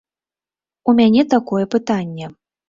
У мяне такое пытанне.